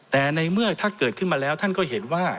แต่ในเมื่อถ้าเกิดขึ้นมาแล้วท่านก็เห็นว่า